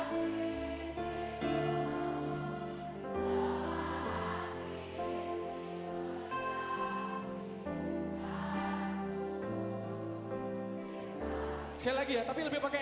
masalah kata kau telah menyebihkan ku